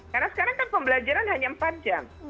karena sekarang kan pembelajaran hanya empat jam